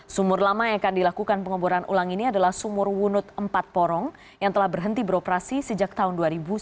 sumur lama yang akan dilakukan pengeboran ulang ini adalah sumur wunut empat porong yang telah berhenti beroperasi sejak tahun dua ribu sembilan belas